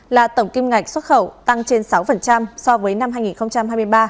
là tổng kim ngạch xuất khẩu tăng trên sáu so với năm hai nghìn hai mươi ba